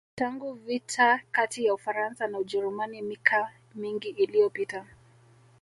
Tangu vita kati ya Ufaransa na Ujerumani mika mingi iliyopita